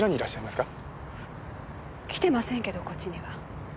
来てませんけどこっちには。